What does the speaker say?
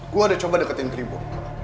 gue udah coba deketin greebo